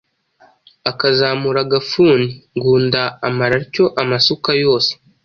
akazamura agafuni. Ngunda amara atyo amasuka yose,